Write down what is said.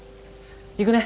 行くね。